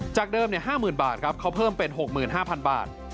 จากเดิม๕๐๐๐บาทครับเขาเพิ่มเป็น๖๕๐๐บาท